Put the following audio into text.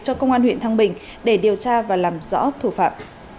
cho công an huyện thăng bình để điều tra và làm rõ thủ phạm